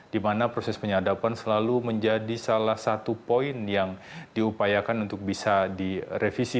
di mana proses penyadapan selalu menjadi salah satu poin yang diupayakan untuk bisa direvisi